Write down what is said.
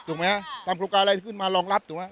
ไหมฮะทำโครงการอะไรขึ้นมารองรับถูกไหม